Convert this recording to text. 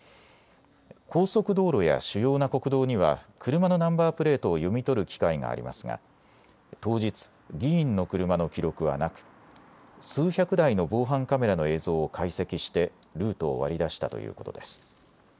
高速道路や主要な国道には車のナンバープレートを読み取る機械がありますが当日、議員の車の記録はなく数百台の防犯カメラの映像を解析してルートを割り出したということです。